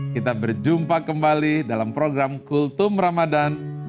kita berjumpa kembali dalam program kultum ramadhan